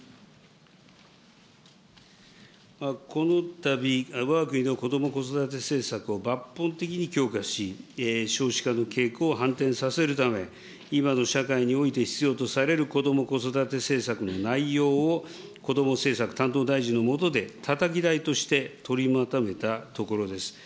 このたび、わが国の子ども・子育て政策を抜本的に強化し、少子化の傾向を反転させるため、今の社会において必要とされる子ども・子育て政策の内容を、こども政策担当大臣の下で、たたき台として取りまとめたところです。